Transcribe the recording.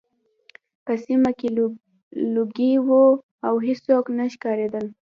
په سیمه کې لوګي وو او هېڅوک نه ښکارېدل